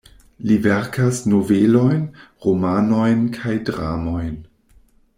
Li verkas novelojn, romanojn kaj dramojn.